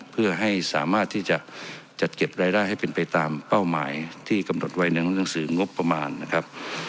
เพื่อให้สามารถที่จะจัดเก็บรายได้ให้เป็นไปตามเป้าหมายที่กำหนดไว้ในหนังสืองบประมาณนะครับ